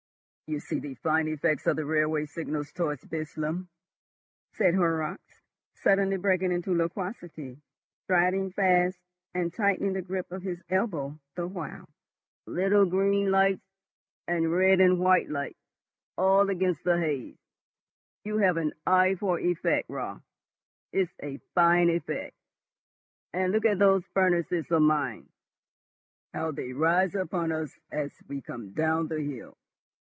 "You see the fine effect of the railway signals towards Burslem," said Horrocks, suddenly breaking into loquacity, striding fast, and tightening the grip of his elbow the while. "Little green lights and red and white lights, all against the haze. You have an eye for effect, Raut. It's a fine effect. And look at those furnaces of mine, how they rise upon us as we come down the hill.